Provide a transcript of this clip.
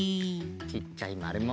ちっちゃいまるも。